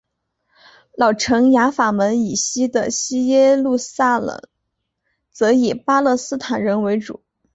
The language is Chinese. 老城雅法门以西的西耶路撒冷则以巴勒斯坦人为主。